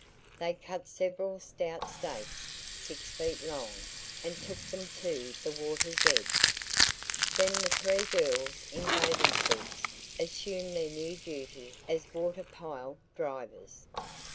They cut several stout stakes six feet long and took them to the water's edge. Then the three girls in bathing suits assumed their new duty as water pile drivers.